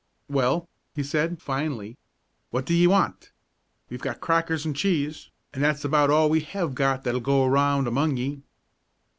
"Well," he said finally, "wha' do ye want? We've got crackers an' cheese, an' that's about all we hev got that'll go around among ye."